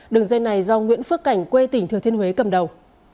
đường dây này do nguyễn phước cảnh quê tỉnh thừa thiên huế cầm đầu